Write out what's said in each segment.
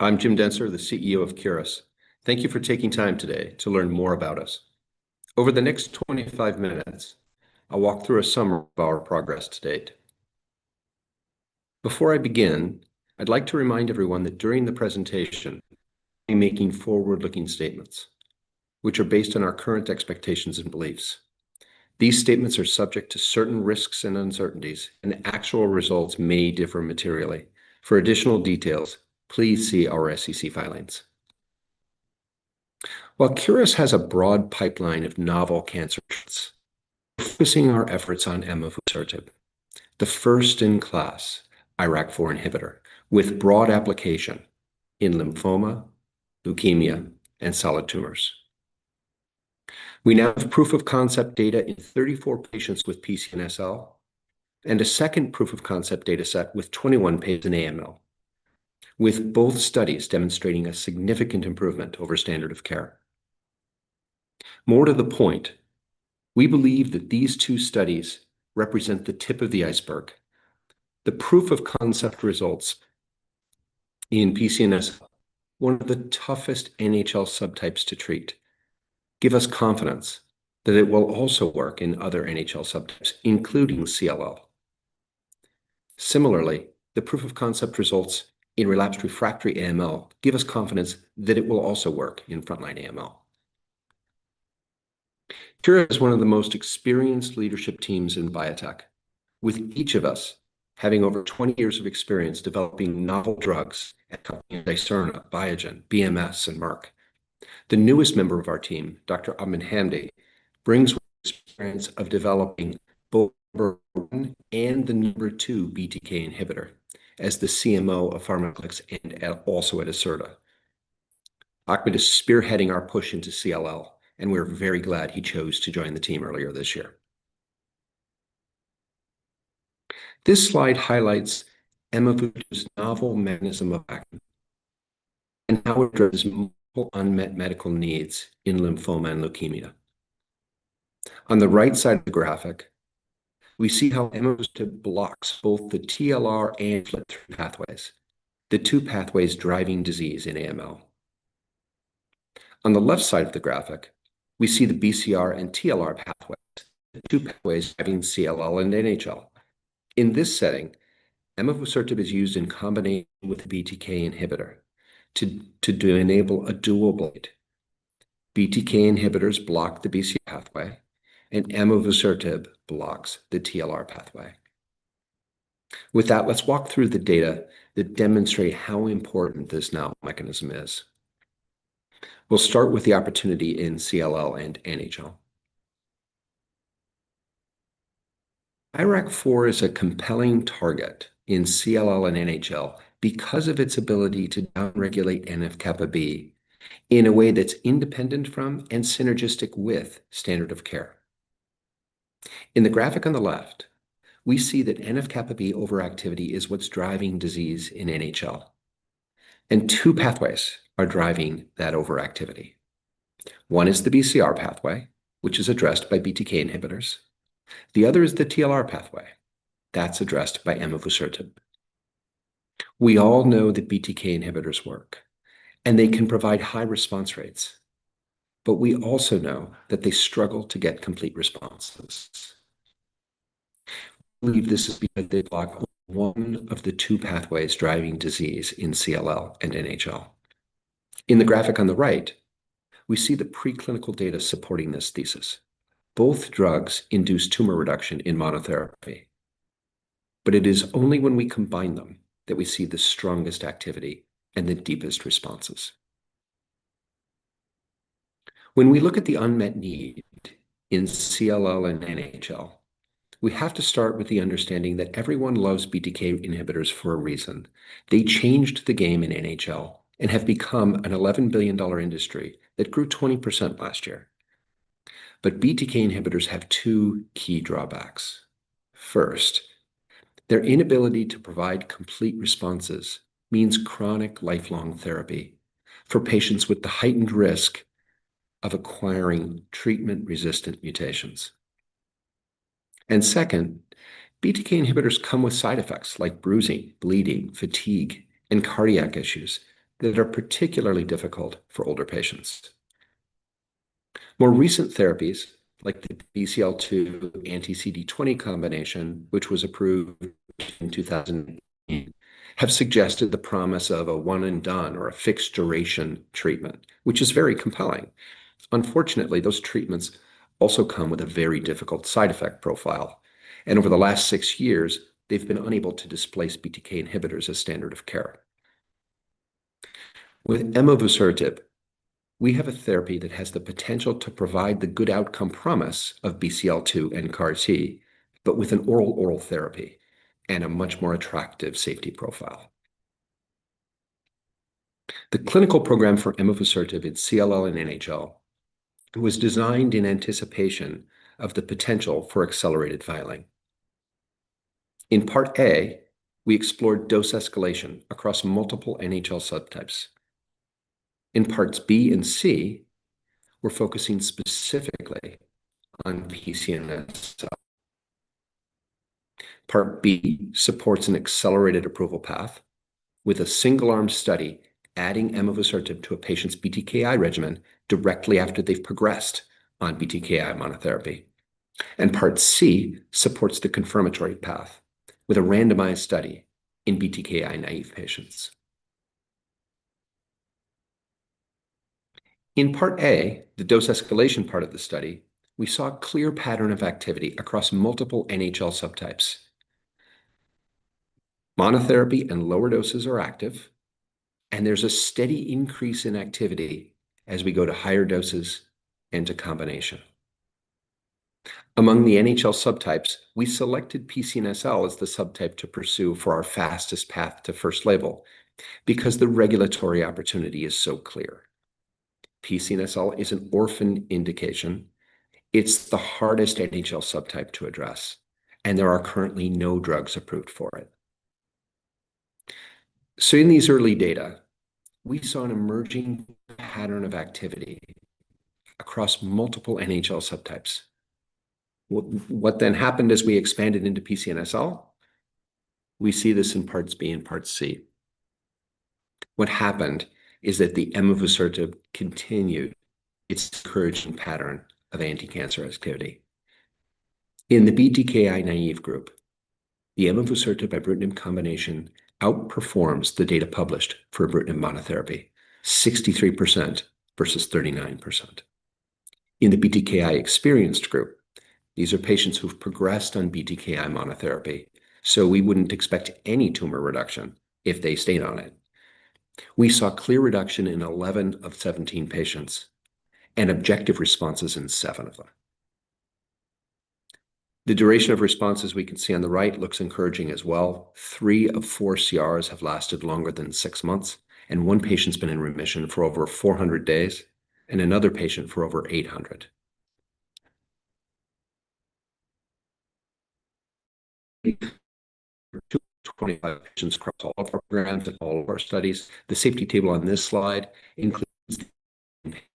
I'm Jim Dentzer, the CEO of Curis. Thank you for taking time today to learn more about us. Over the next 25 minutes, I'll walk through a summary of our progress to date. Before I begin, I'd like to remind everyone that during the presentation, I'm making forward-looking statements, which are based on our current expectations and beliefs. These statements are subject to certain risks and uncertainties, and actual results may differ materially. For additional details, please see our SEC filings. While Curis has a broad pipeline of novel cancers, we're focusing our efforts on emavusertib, the first-in-class IRAK4 inhibitor with broad application in lymphoma, leukemia, and solid tumors. We now have proof-of-concept data in 34 patients with PCNSL and a second proof-of-concept data set with 21 patients in AML, with both studies demonstrating a significant improvement over standard of care. More to the point, we believe that these two studies represent the tip of the iceberg. The proof-of-concept results in PCNSL, one of the toughest NHL subtypes to treat, give us confidence that it will also work in other NHL subtypes, including CLL. Similarly, the proof-of-concept results in relapsed refractory AML give us confidence that it will also work in frontline AML. Curis is one of the most experienced leadership teams in biotech, with each of us having over 20 years of experience developing novel drugs at companies like Dicerna, Biogen, BMS, and Merck. The newest member of our team, Dr. Ahmed Hamdy, brings experience of developing both the number one and the number two BTK inhibitor as the CMO of Pharmacyclics and also at Acerta. Ahmed is spearheading our push into CLL, and we're very glad he chose to join the team earlier this year. This slide highlights emavusertib's novel mechanism of action and how it addresses multiple unmet medical needs in lymphoma and leukemia. On the right side of the graphic, we see how emavusertib blocks both the TLR and FLT3 pathways, the two pathways driving disease in AML. On the left side of the graphic, we see the BCR and TLR pathways, the two pathways driving CLL and NHL. In this setting, emavusertib is used in combination with a BTK inhibitor to enable a dual blade. BTK inhibitors block the BCR pathway, and emavusertib blocks the TLR pathway. With that, let's walk through the data that demonstrate how important this novel mechanism is. We'll start with the opportunity in CLL and NHL. IRAK4 is a compelling target in CLL and NHL because of its ability to downregulate NF-kappaB in a way that's independent from and synergistic with standard of care. In the graphic on the left, we see that NF-kappaB overactivity is what's driving disease in NHL, and two pathways are driving that overactivity. One is the BCR pathway, which is addressed by BTK inhibitors. The other is the TLR pathway that's addressed by emavusertib. We all know that BTK inhibitors work, and they can provide high response rates, but we also know that they struggle to get complete responses. We believe this is because they block one of the two pathways driving disease in CLL and NHL. In the graphic on the right, we see the preclinical data supporting this thesis. Both drugs induce tumor reduction in monotherapy, but it is only when we combine them that we see the strongest activity and the deepest responses. When we look at the unmet need in CLL and NHL, we have to start with the understanding that everyone loves BTK inhibitors for a reason. They changed the game in NHL and have become an $11 billion industry that grew 20% last year. But BTK inhibitors have two key drawbacks. First, their inability to provide complete responses means chronic lifelong therapy for patients with the heightened risk of acquiring treatment-resistant mutations. And second, BTK inhibitors come with side effects like bruising, bleeding, fatigue, and cardiac issues that are particularly difficult for older patients. More recent therapies, like the BCL2 anti-CD20 combination, which was approved in 2019, have suggested the promise of a one-and-done or a fixed-duration treatment, which is very compelling. Unfortunately, those treatments also come with a very difficult side effect profile, and over the last six years, they've been unable to displace BTK inhibitors as standard of care. With emavusertib, we have a therapy that has the potential to provide the good outcome promise of BCL2 and CAR-T, but with an oral therapy and a much more attractive safety profile. The clinical program for emavusertib in CLL and NHL was designed in anticipation of the potential for accelerated filing. In part A, we explored dose escalation across multiple NHL subtypes. In parts B and C, we're focusing specifically on PCNSL. Part B supports an accelerated approval path, with a single-arm study adding emavusertib to a patient's BTKi regimen directly after they've progressed on BTKi monotherapy. And part C supports the confirmatory path with a randomized study in BTKi naive patients. In part A, the dose escalation part of the study, we saw a clear pattern of activity across multiple NHL subtypes. Monotherapy and lower doses are active, and there's a steady increase in activity as we go to higher doses and to combination. Among the NHL subtypes, we selected PCNSL as the subtype to pursue for our fastest path to first label because the regulatory opportunity is so clear. PCNSL is an orphan indication. It's the hardest NHL subtype to address, and there are currently no drugs approved for it. So in these early data, we saw an emerging pattern of activity across multiple NHL subtypes. What then happened as we expanded into PCNSL? We see this in parts B and part C. What happened is that the emavusertib continued its encouraging pattern of anti-cancer activity. In the BTKi naive group, the emavusertib by ibrutinib combination outperforms the data published for ibrutinib monotherapy, 63% versus 39%. In the BTKi experienced group, these are patients who've progressed on BTKi monotherapy, so we wouldn't expect any tumor reduction if they stayed on it. We saw clear reduction in 11 of 17 patients and objective responses in 7 of them. The duration of responses we can see on the right looks encouraging as well. Three of four CRs have lasted longer than six months, and one patient's been in remission for over 400 days and another patient for over 800. In 2025, patients across all programs and all of our studies. The safety table on this slide includes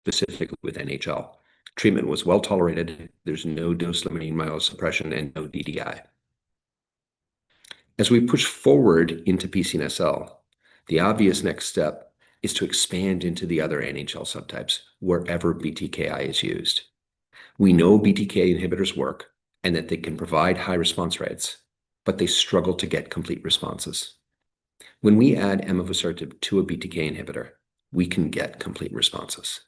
specifically with NHL. Treatment was well tolerated. There's no dose-limiting myelosuppression and no DDI. As we push forward into PCNSL, the obvious next step is to expand into the other NHL subtypes wherever BTKi is used. We know BTK inhibitors work and that they can provide high response rates, but they struggle to get complete responses. When we add emavusertib to a BTK inhibitor, we can get complete responses.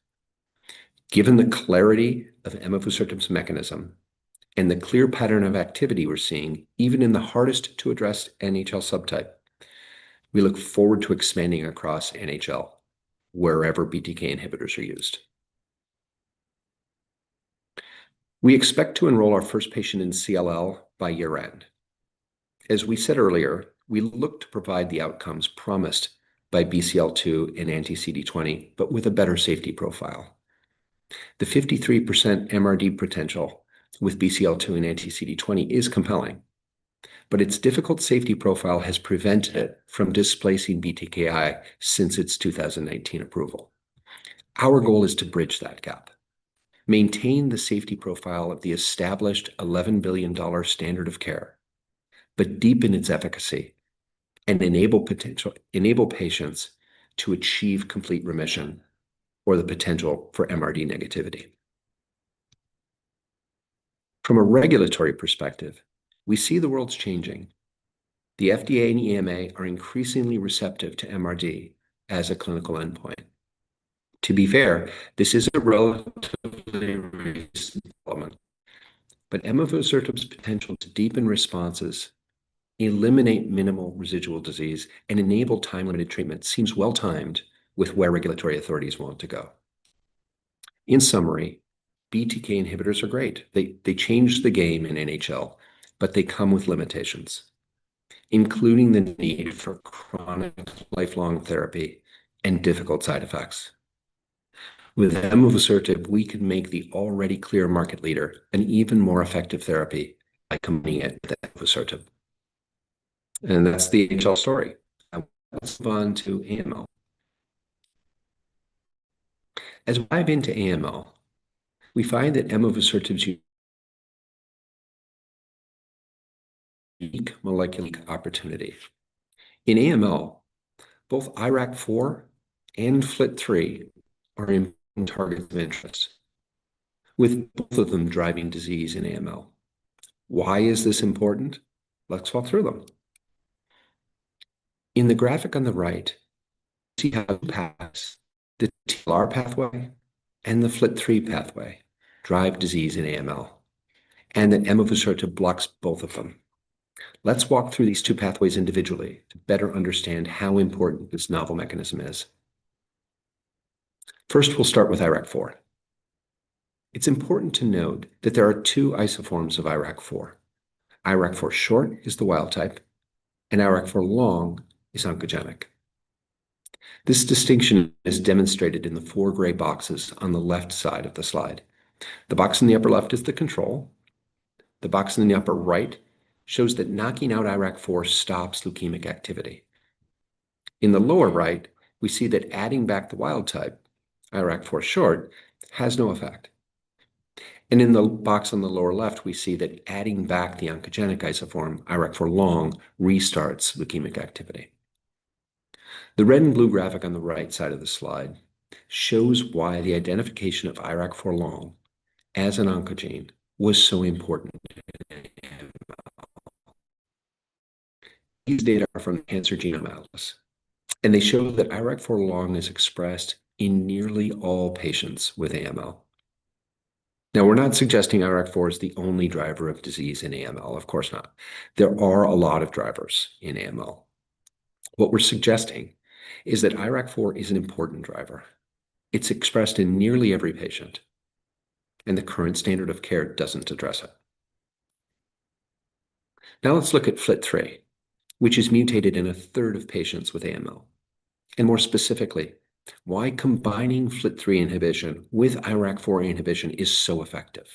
Given the clarity of emavusertib's mechanism and the clear pattern of activity we're seeing, even in the hardest-to-address NHL subtype, we look forward to expanding across NHL wherever BTK inhibitors are used. We expect to enroll our first patient in CLL by year-end. As we said earlier, we look to provide the outcomes promised by BCL2 and anti-CD20, but with a better safety profile. The 53% MRD potential with BCL2 and anti-CD20 is compelling, but its difficult safety profile has prevented it from displacing BTKi since its 2019 approval. Our goal is to bridge that gap, maintain the safety profile of the established $11 billion standard of care, but deepen its efficacy and enable patients to achieve complete remission or the potential for MRD negativity. From a regulatory perspective, we see the world's changing. The FDA and EMA are increasingly receptive to MRD as a clinical endpoint. To be fair, this is a relatively recent development, but emavusertib's potential to deepen responses, eliminate minimal residual disease, and enable time-limited treatment seems well-timed with where regulatory authorities want to go. In summary, BTK inhibitors are great. They change the game in NHL, but they come with limitations, including the need for chronic lifelong therapy and difficult side effects. With emavusertib, we can make the already clear market leader an even more effective therapy by combining it with emavusertib. And that's the NHL story. Let's move on to AML. As we dive into AML, we find that emavusertib's unique molecular opportunity. In AML, both IRAK4 and FLT3 are immune targets of interest, with both of them driving disease in AML. Why is this important? Let's walk through them. In the graphic on the right, we see how the TLR pathway and the FLT3 pathway drive disease in AML, and that emavusertib blocks both of them. Let's walk through these two pathways individually to better understand how important this novel mechanism is. First, we'll start with IRAK4. It's important to note that there are two isoforms of IRAK4. IRAK4 short is the wild type, and IRAK4 long is oncogenic. This distinction is demonstrated in the four gray boxes on the left side of the slide. The box in the upper left is the control. The box in the upper right shows that knocking out IRAK4 stops leukemic activity. In the lower right, we see that adding back the wild type, IRAK4 short, has no effect, and in the box on the lower left, we see that adding back the oncogenic isoform, IRAK4 long, restarts leukemic activity. The red and blue graphic on the right side of the slide shows why the identification of IRAK4 long as an oncogene was so important in AML. These data are from the Cancer Genome Atlas, and they show that IRAK4 long is expressed in nearly all patients with AML. Now, we're not suggesting IRAK4 is the only driver of disease in AML. Of course not. There are a lot of drivers in AML. What we're suggesting is that IRAK4 is an important driver. It's expressed in nearly every patient, and the current standard of care doesn't address it. Now, let's look at FLT3, which is mutated in a third of patients with AML. And more specifically, why combining FLT3 inhibition with IRAK4 inhibition is so effective.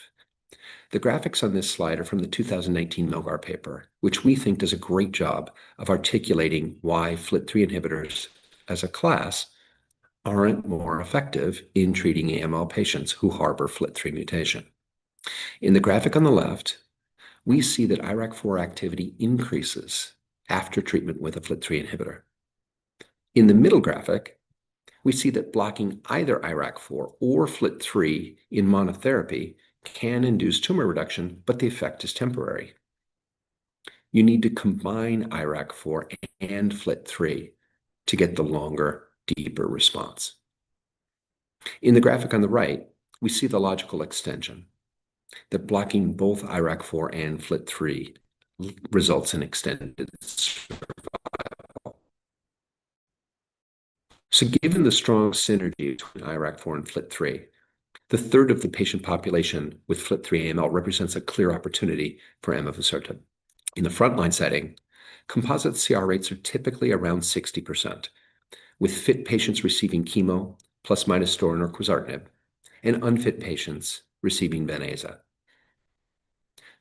The graphics on this slide are from the 2019 Mograbi paper, which we think does a great job of articulating why FLT3 inhibitors as a class aren't more effective in treating AML patients who harbor FLT3 mutation. In the graphic on the left, we see that IRAK4 activity increases after treatment with a FLT3 inhibitor. In the middle graphic, we see that blocking either IRAK4 or FLT3 in monotherapy can induce tumor reduction, but the effect is temporary. You need to combine IRAK4 and FLT3 to get the longer, deeper response. In the graphic on the right, we see the logical extension, that blocking both IRAK4 and FLT3 results in extended survival. So given the strong synergy between IRAK4 and FLT3, the third of the patient population with FLT3 AML represents a clear opportunity for emavusertib. In the frontline setting, composite CR rates are typically around 60%, with fit patients receiving chemo, ±midostaurin or quizartinib, and unfit patients receiving venetoclax.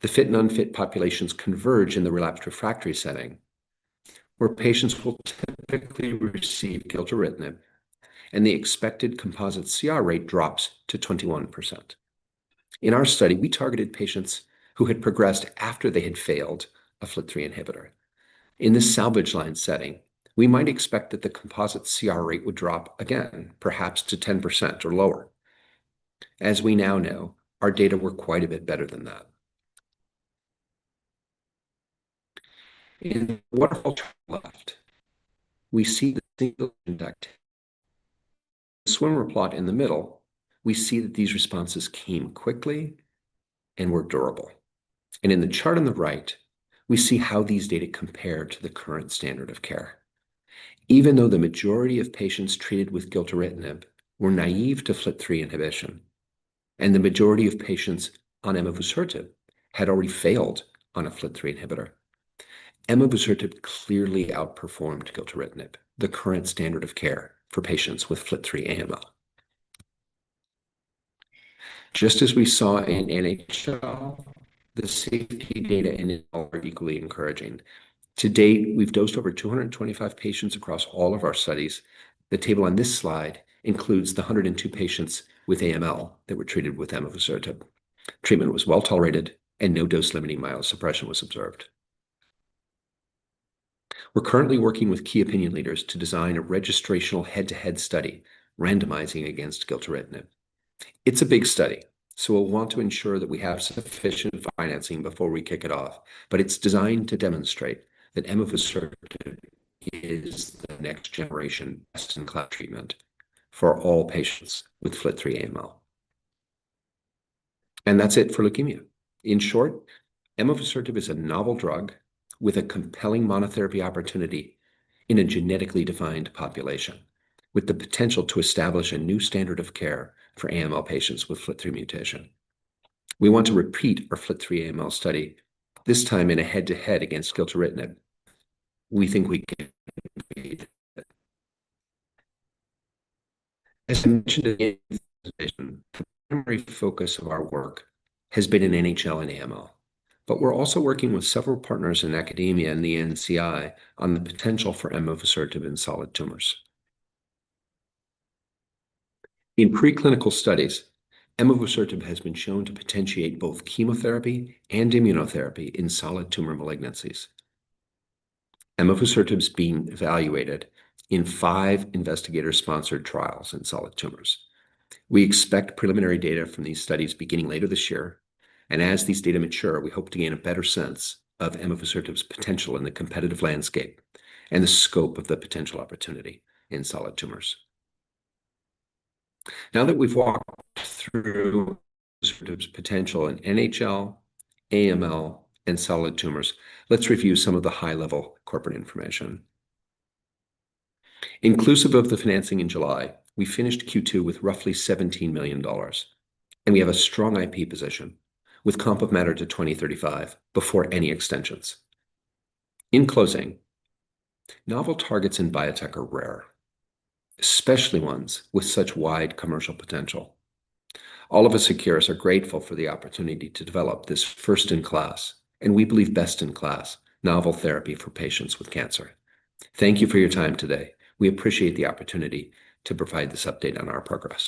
The fit and unfit populations converge in the relapsed refractory setting, where patients will typically receive gilteritinib, and the expected composite CR rate drops to 21%. In our study, we targeted patients who had progressed after they had failed a FLT3 inhibitor. In the salvage line setting, we might expect that the composite CR rate would drop again, perhaps to 10% or lower. As we now know, our data were quite a bit better than that. In the waterfall chart left, we see the single induct. In the swimmer plot in the middle, we see that these responses came quickly and were durable, and in the chart on the right, we see how these data compare to the current standard of care. Even though the majority of patients treated with gilteritinib were naive to FLT3 inhibition, and the majority of patients on emavusertib had already failed on a FLT3 inhibitor, emavusertib clearly outperformed gilteritinib, the current standard of care for patients with FLT3 AML. Just as we saw in NHL, the safety data in AML are equally encouraging. To date, we've dosed over 225 patients across all of our studies. The table on this slide includes the 102 patients with AML that were treated with emavusertib. Treatment was well tolerated, and no dose-limiting myelosuppression was observed. We're currently working with key opinion leaders to design a registrational head-to-head study randomizing against gilteritinib. It's a big study, so we'll want to ensure that we have sufficient financing before we kick it off, but it's designed to demonstrate that emavusertib is the next-generation best-in-class treatment for all patients with FLT3 AML, and that's it for leukemia. In short, emavusertib is a novel drug with a compelling monotherapy opportunity in a genetically defined population, with the potential to establish a new standard of care for AML patients with FLT3 mutation. We want to repeat our FLT3 AML study, this time in a head-to-head against gilteritinib. We think we can repeat it. As mentioned in the introduction, the primary focus of our work has been in NHL and AML, but we're also working with several partners in academia and the NCI on the potential for emavusertib in solid tumors. In preclinical studies, emavusertib has been shown to potentiate both chemotherapy and immunotherapy in solid tumor malignancies. emavusertib's been evaluated in five investigator-sponsored trials in solid tumors. We expect preliminary data from these studies beginning later this year, and as these data mature, we hope to gain a better sense of emavusertib's potential in the competitive landscape and the scope of the potential opportunity in solid tumors. Now that we've walked through emavusertib's potential in NHL, AML, and solid tumors, let's review some of the high-level corporate information. Inclusive of the financing in July, we finished Q2 with roughly $17 million, and we have a strong IP position with comp of matter to 2035 before any extensions. In closing, novel targets in biotech are rare, especially ones with such wide commercial potential. All of us at Curis are grateful for the opportunity to develop this first-in-class, and we believe best-in-class novel therapy for patients with cancer. Thank you for your time today. We appreciate the opportunity to provide this update on our progress.